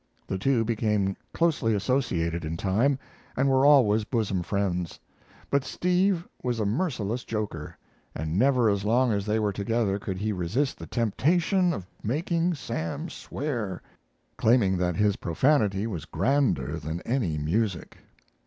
The two became closely associated in time, and were always bosom friends; but Steve was a merciless joker, and never as long as they were together could he "resist the temptation of making Sam swear," claiming that his profanity was grander than any music.